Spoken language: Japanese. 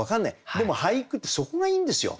でも俳句ってそこがいいんですよ。